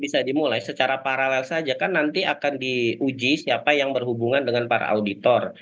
bisa dimulai secara paralel saja kan nanti akan diuji siapa yang berhubungan dengan para auditor